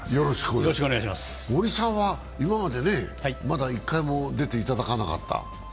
森さんは今まで、まだ１回も出ていただかなかった。